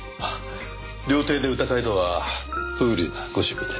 料亭で歌会とは風流なご趣味で。